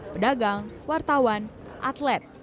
pedagang wartawan atlet